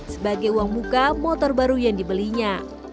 sebagai uang muka motor baru yang dibelinya